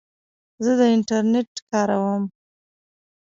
زه د انټرنیټ کاروم.